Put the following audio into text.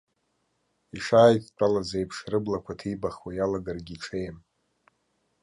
Ишааидтәалаз еиԥш рыблақәа ҭибахуа иалагаргьы ҽеим.